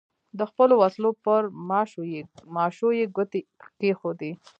د خپلو وسلو پر ماشو یې ګوتې کېښودې.